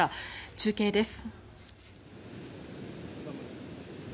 中継です。